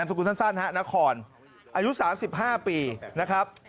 อายุ๓๕ปีนะครับ